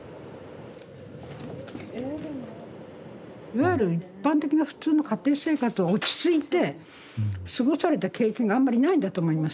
いわゆる一般的な普通の家庭生活を落ち着いて過ごされた経験があんまりないんだと思いますうん。